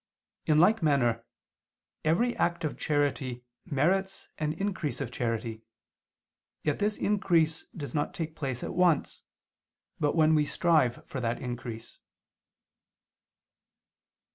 In like manner every act of charity merits an increase of charity; yet this increase does not take place at once, but when we strive for that increase.